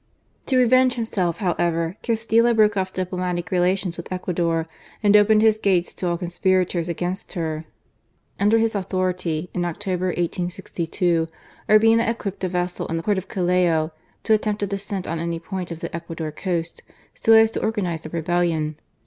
To revenge himself, however, Castilla broke off diplomatic relations with Ecuador, and opened his ^tes to all conspirators against her. Under his 132 GARCIA MORENO. authority, in October, 1862, Urbina equipped a vessel in the port of Callao to attempt a descent on any point of the Ecuador coast so as to organize a rebellion.